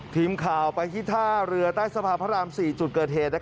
ทีมข่าวไปที่ท่าเรือใต้สะพานพระราม๔จุดเกิดเหตุ